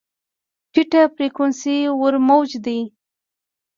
ټیټه فریکونسي ورو موج دی.